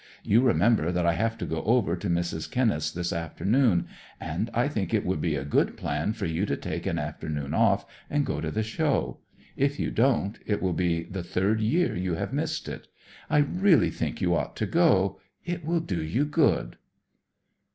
You remember that I have to go over to Mrs. Kenneth's this afternoon, and I think it would be a good plan for you to take an afternoon off and go to the Show. If you don't, it will be the third year you have missed it. I really think you ought to go. It will do you good."